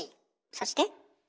そして？